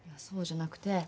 そうじゃなくて。